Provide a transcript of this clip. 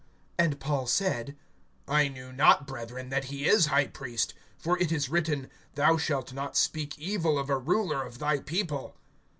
(5)And Paul said: I knew not, brethren, that he is high priest; for it is written: Thou shalt not speak evil of a ruler of thy people.